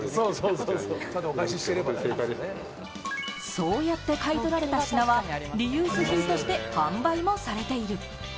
そうやって買い取られた品はリユース品として販売もされている。